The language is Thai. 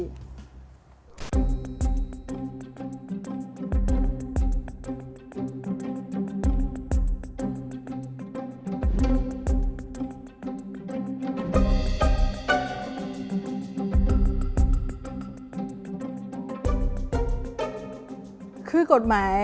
มีโอกาสขึ้นไปล่ะใช่ไหม